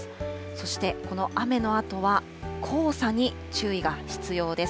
そしてこの雨のあとは、黄砂に注意が必要です。